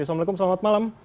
assalamualaikum selamat malam